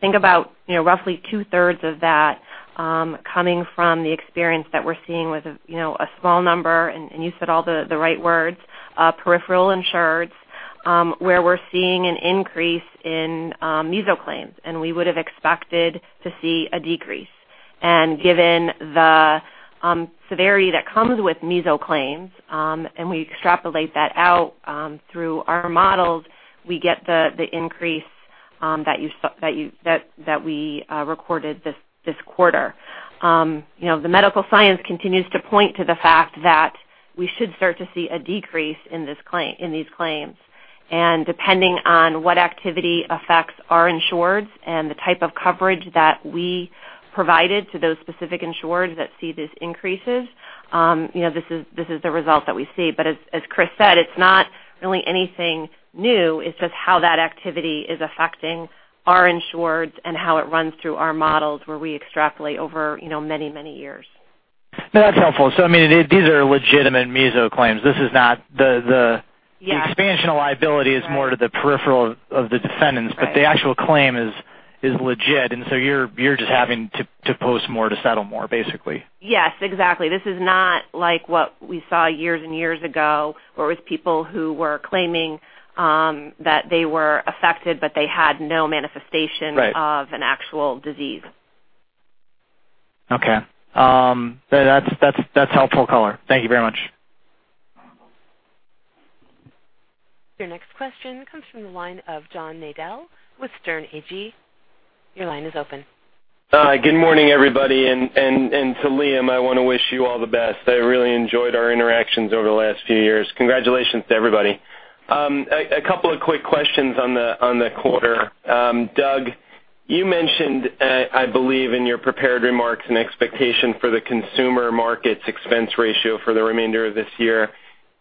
think about roughly two-thirds of that coming from the experience that we're seeing with a small number, and you said all the right words, peripheral insureds, where we're seeing an increase in mesothelioma claims, and we would have expected to see a decrease. Given the severity that comes with mesothelioma claims, and we extrapolate that out through our models, we get the increase that we recorded this quarter. The medical science continues to point to the fact that we should start to see a decrease in these claims. Depending on what activity affects our insureds and the type of coverage that we provided to those specific insureds that see these increases, this is the result that we see. As Chris said, it's not really anything new. It's just how that activity is affecting our insureds and how it runs through our models where we extrapolate over many years. That's helpful. These are legitimate mesothelioma claims. The expansion of liability is more to the peripheral of the defendants. The actual claim is legit, and you're just having to post more to settle more, basically. Exactly. This is not like what we saw years and years ago where it was people who were claiming that they were affected, but they had no manifestation. Right of an actual disease. Okay. That's helpful color. Thank you very much. Your next question comes from the line of John Nadel with Sterne Agee. Your line is open. Hi, good morning, everybody, and to Liam, I want to wish you all the best. I really enjoyed our interactions over the last few years. Congratulations to everybody. A couple of quick questions on the quarter. Doug, you mentioned, I believe in your prepared remarks, an expectation for the consumer markets expense ratio for the remainder of this year.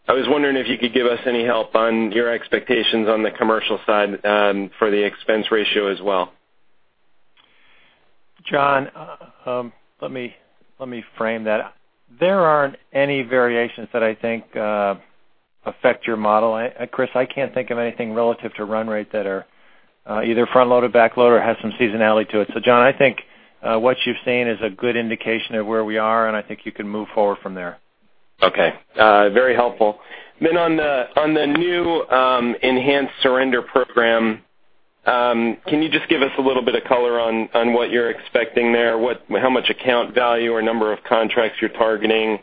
I was wondering if you could give us any help on your expectations on the commercial side for the expense ratio as well. John, let me frame that. There aren't any variations that I think affect your model. Chris, I can't think of anything relative to run rate that are either front-loaded, back-loaded, or has some seasonality to it. John, I think what you've seen is a good indication of where we are, and I think you can move forward from there. Okay. Very helpful. On the new enhanced surrender program, can you just give us a little bit of color on what you're expecting there? How much account value or number of contracts you're targeting?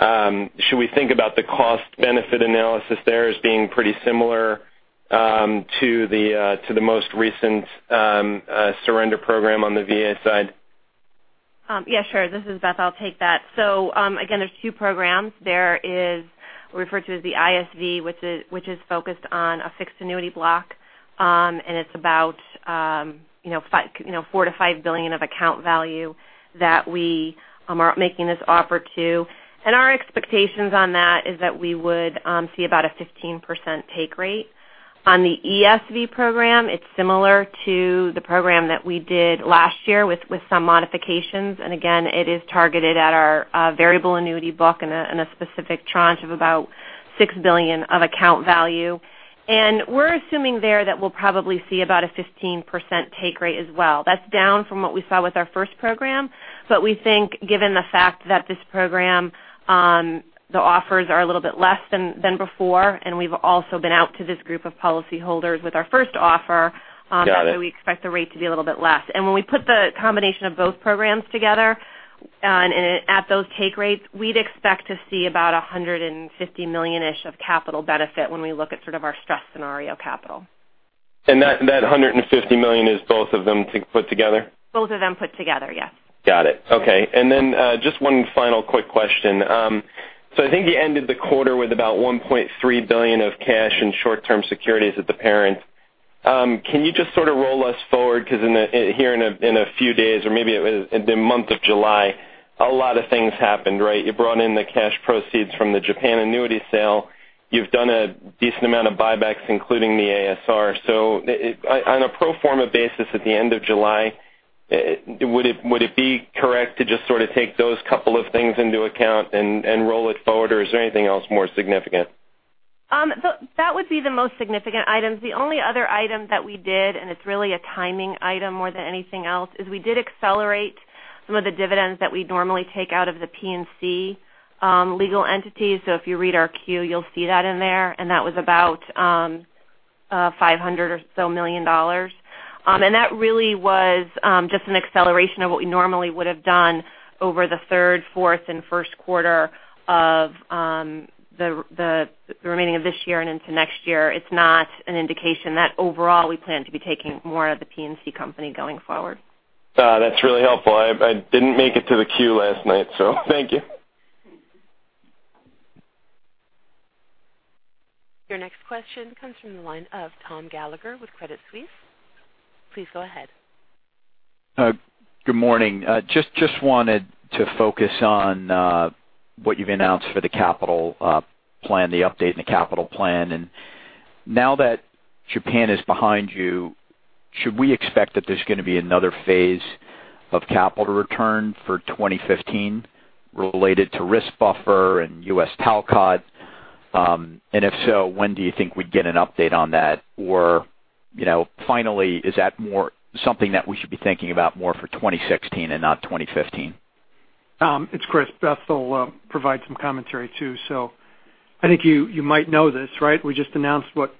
Should we think about the cost benefit analysis there as being pretty similar to the most recent surrender program on the VA side? This is Beth. I'll take that. Again, there's two programs. There is, we refer to as the ISV, which is focused on a fixed annuity block, and it's about $4 billion-$5 billion of account value that we are making this offer to. Our expectations on that is that we would see about a 15% take rate. On the ESV program, it's similar to the program that we did last year with some modifications. Again, it is targeted at our variable annuity book in a specific tranche of about $6 billion of account value. We're assuming there that we'll probably see about a 15% take rate as well. That's down from what we saw with our first program. We think given the fact that this program, the offers are a little bit less than before, and we've also been out to this group of policyholders with our first offer. Got it We expect the rate to be a little bit less. When we put the combination of both programs together at those take rates, we'd expect to see about $150 million-ish of capital benefit when we look at sort of our stress scenario capital. That $150 million is both of them put together? Both of them put together, yes. Got it. Okay. Just one final quick question. I think you ended the quarter with about $1.3 billion of cash in short-term securities at the parent. Can you just sort of roll us forward? Because here in a few days, or maybe the month of July, a lot of things happened, right? You brought in the cash proceeds from the Japan annuity sale. You've done a decent amount of buybacks, including the ASR. On a pro forma basis at the end of July, would it be correct to just sort of take those couple of things into account and roll it forward, or is there anything else more significant? That would be the most significant items. The only other item that we did, and it's really a timing item more than anything else, is we did accelerate some of the dividends that we normally take out of the P&C legal entity. If you read our Q, you'll see that in there, and that was about $500 or so million. That really was just an acceleration of what we normally would have done over the third, fourth, and first quarter of the remaining of this year and into next year. It's not an indication that overall we plan to be taking more out of the P&C company going forward. That's really helpful. I didn't make it to the Q last night, thank you. Your next question comes from the line of Thomas Gallagher with Credit Suisse. Please go ahead. Good morning. Just wanted to focus on what you've announced for the capital plan, the update in the capital plan. Now that Japan is behind you, should we expect that there's going to be another phase of capital return for 2015 related to risk buffer and U.S. Talcott? If so, when do you think we'd get an update on that? Finally, is that something that we should be thinking about more for 2016 and not 2015? It's Chris. Beth will provide some commentary too. I think you might know this, right? We just announced what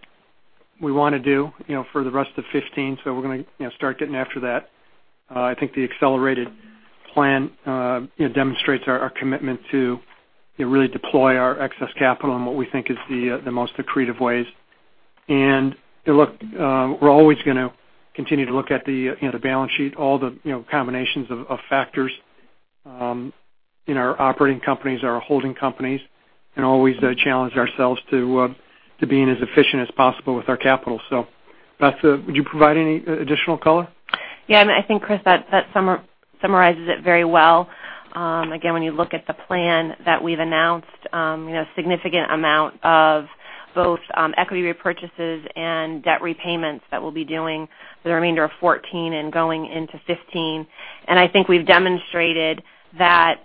we want to do for the rest of 2015. We're going to start getting after that. I think the accelerated plan demonstrates our commitment to really deploy our excess capital in what we think is the most accretive ways. Look, we're always going to continue to look at the balance sheet, all the combinations of factors in our operating companies, our holding companies, and always challenge ourselves to being as efficient as possible with our capital. Beth, would you provide any additional color? Yeah, I think, Chris, that summarizes it very well. Again, when you look at the plan that we've announced, a significant amount of both equity repurchases and debt repayments that we'll be doing for the remainder of 2014 and going into 2015. I think we've demonstrated that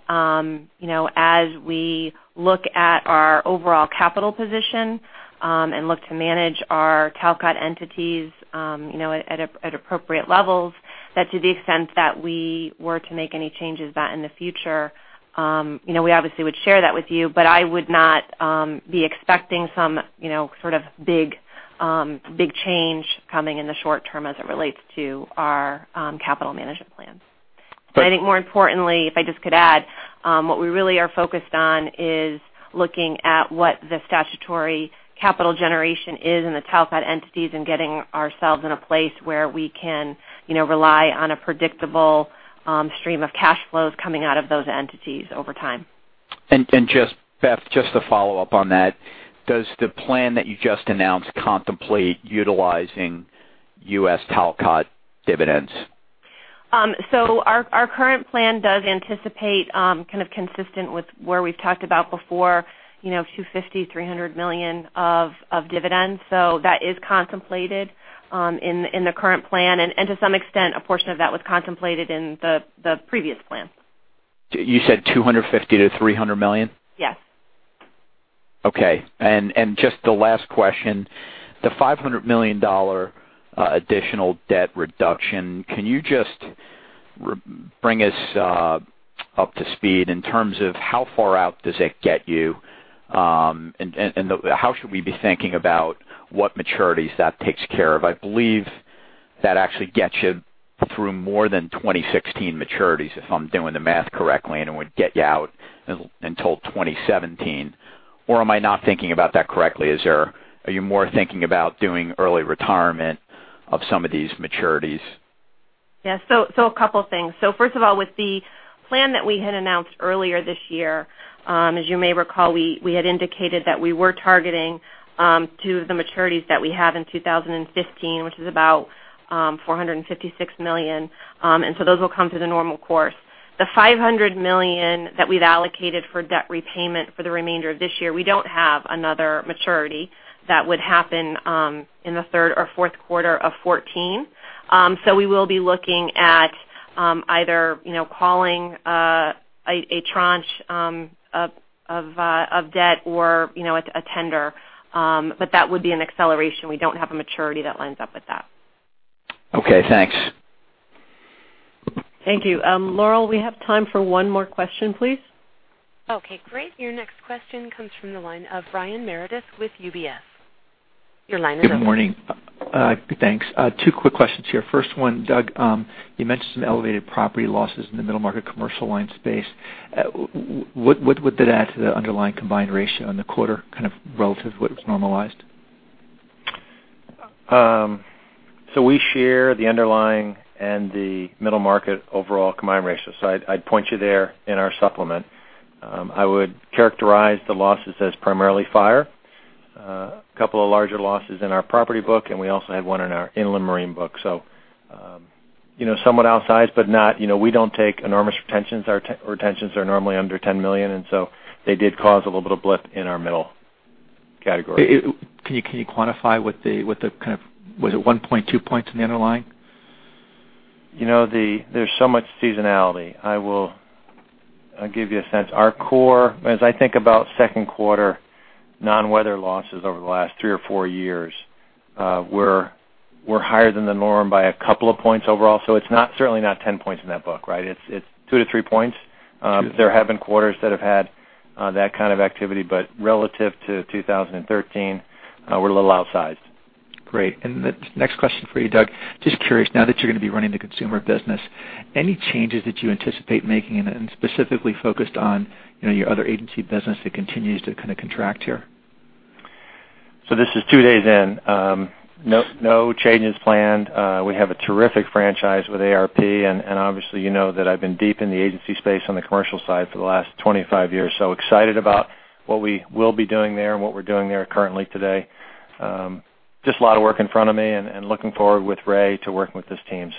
as we look at our overall capital position and look to manage our Talcott entities at appropriate levels, that to the extent that we were to make any changes that in the future we obviously would share that with you, but I would not be expecting some sort of big change coming in the short term as it relates to our capital management plans. I think more importantly, if I just could add, what we really are focused on is looking at what the statutory capital generation is in the Talcott entities and getting ourselves in a place where we can rely on a predictable stream of cash flows coming out of those entities over time. Beth, just to follow up on that, does the plan that you just announced contemplate utilizing U.S. Talcott dividends? Our current plan does anticipate kind of consistent with where we've talked about before, $250 million-$300 million of dividends. That is contemplated in the current plan, and to some extent, a portion of that was contemplated in the previous plan. You said $250 million to $300 million? Yes. Okay. Just the last question, the $500 million additional debt reduction, can you just bring us up to speed in terms of how far out does it get you? And how should we be thinking about what maturities that takes care of? I believe that actually gets you through more than 2016 maturities, if I'm doing the math correctly, and it would get you out until 2017. Am I not thinking about that correctly? Are you more thinking about doing early retirement of some of these maturities? Yeah. A couple of things. First of all, with the plan that we had announced earlier this year, as you may recall, we had indicated that we were targeting two of the maturities that we have in 2015, which is about $456 million. Those will come through the normal course. The $500 million that we've allocated for debt repayment for the remainder of this year, we don't have another maturity that would happen in the third or fourth quarter of 2014. We will be looking at either calling a tranche of debt or a tender. That would be an acceleration. We don't have a maturity that lines up with that. Okay, thanks. Thank you. Laurel, we have time for one more question, please. Okay, great. Your next question comes from the line of Brian Meredith with UBS. Your line is open. Good morning. Thanks. Two quick questions here. First one, Doug, you mentioned some elevated property losses in the middle market commercial line space. What would that add to the underlying combined ratio in the quarter kind of relative to what it was normalized? We share the underlying and the middle market overall combined ratio. I'd point you there in our supplement. I would characterize the losses as primarily fire. A couple of larger losses in our property book, and we also had one in our inland marine book. Somewhat outsized, but we don't take enormous retentions. Our retentions are normally under $10 million, and they did cause a little bit of blip in our middle category. Can you quantify what the kind of, was it one point, two points in the underlying? There's so much seasonality. I'll give you a sense. Our core, as I think about second quarter non-weather losses over the last three or four years were higher than the norm by a couple of points overall. It's certainly not 10 points in that book, right? It's two to three points. Sure. There have been quarters that have had that kind of activity, but relative to 2013, we're a little outsized. Great. The next question for you, Doug. Just curious, now that you're going to be running the consumer business, any changes that you anticipate making, and specifically focused on your other agency business that continues to kind of contract here? This is two days in. No changes planned. We have a terrific franchise with AARP, and obviously you know that I've been deep in the agency space on the commercial side for the last 25 years. Excited about what we will be doing there and what we're doing there currently today. Just a lot of work in front of me and looking forward with Ray to working with this team.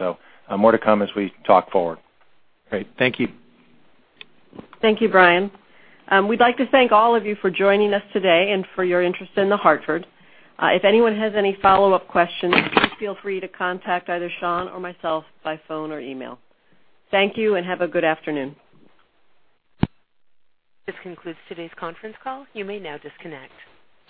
More to come as we talk forward. Great. Thank you. Thank you, Brian. We'd like to thank all of you for joining us today and for your interest in The Hartford. If anyone has any follow-up questions, please feel free to contact either Sean or myself by phone or email. Thank you and have a good afternoon. This concludes today's conference call. You may now disconnect.